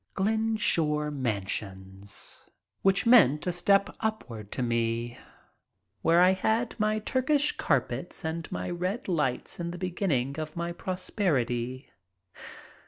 Glenshore Mansions, which meant a step upward to me, where I had my Turkish carpets and my red lights in the beginning of my prosperity.